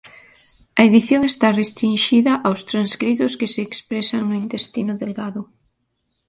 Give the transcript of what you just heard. A edición está restrinxida aos transcritos que se expresan no intestino delgado.